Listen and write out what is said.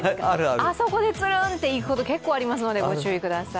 あそこでツルンといくことが結構あるのでご注意ください。